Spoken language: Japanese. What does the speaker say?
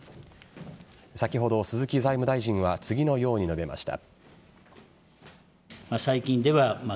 先ほど、鈴木財務大臣は次のように述べました。